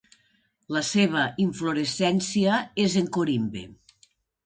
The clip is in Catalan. La seva inflorescència és en corimbe.